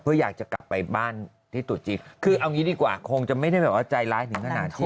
เพื่ออยากจะกลับไปบ้านที่ตรุษจีนคือเอางี้ดีกว่าคงจะไม่ได้แบบว่าใจร้ายถึงขนาดที่